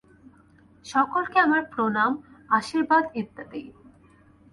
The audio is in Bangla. সকলকে আমার প্রণাম আশীর্বাদ ইত্যাদি।